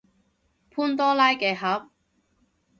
潘多拉嘅盒